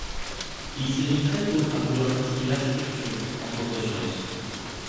Il s'est mis très tôt à vouloir pratiquer l'architecture, entre autres sciences.